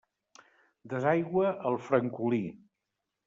Desaigua al Francolí.